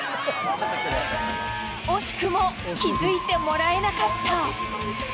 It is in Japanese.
惜しくも気付いてもらえなかった。